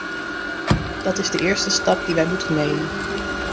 Dat is de eerste stap die wij moeten nemen.